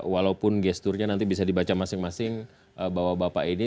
walaupun gesturnya nanti bisa dibaca masing masing bapak bapak ini